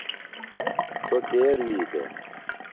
سوۡ کے رُوئی دےۡ؟